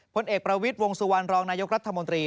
ผลเอกประวิทย์วงสุวรรณรองนายกรัฐมนตรี